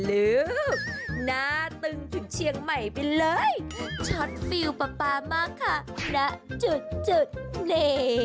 ลูกหน้าตึงถึงเชียงใหม่ไปเลยชอตฟิวป๊าป๊ามากค่ะนะจุดเน่